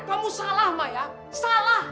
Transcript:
kamu salah maya salah